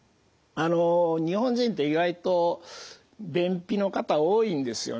あの日本人って意外と便秘の方多いんですよね。